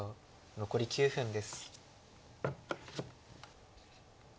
残り９分です。